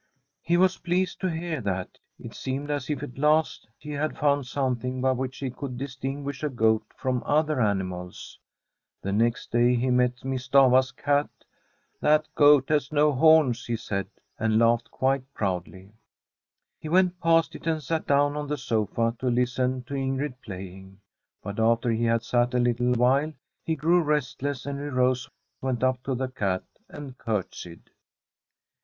m He was pleased to hear that. It seemed as if at last he had found something by which he could distinguish a goat from other animals. The next day he met Miss Stafva's cat. ' That goat has no horns,' he said ; and laughed quite proudly. He went past it, and sat down on the sofa to listen to Ingrid playing. But after he had sat a little while he grew restless, and he rose, went up to the cat, and curtsied.